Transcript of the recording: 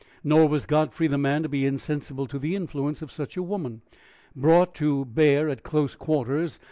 Nor was Godfrey the man to be insensible to the influence of such a woman, brought to bear at close quarters.